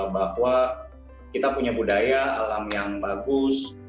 bahwa kita punya budaya alam yang bagus